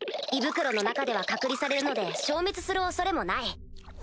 胃袋の中では隔離されるので消滅する恐れもない。